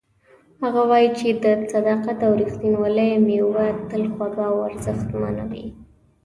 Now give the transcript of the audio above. هغه وایي چې د صداقت او ریښتینولۍ میوه تل خوږه او ارزښتمنه وي